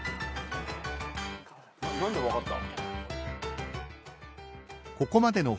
何で分かった？